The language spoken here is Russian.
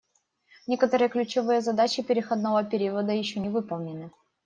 Некоторые ключевые задачи переходного периода еще не выполнены.